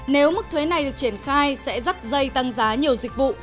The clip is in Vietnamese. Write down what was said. nếu mức thuế này được triển khai sẽ rắt dây tăng giá nhiều dịch vụ